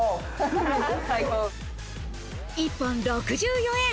一本６４円。